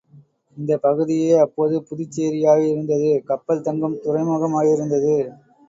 இந்தப் பகுதியே அப்போது புதுச்சேரியாயிருந்தது கப்பல் தங்கும் துறைமுகமாயிருந்தது.